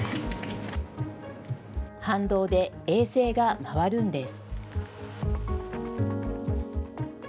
反動で衛星が回るんです。